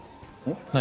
何？